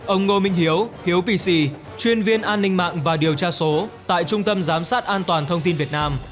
ông ngô minh hiếu hiếu kỳ chuyên viên an ninh mạng và điều tra số tại trung tâm giám sát an toàn thông tin việt nam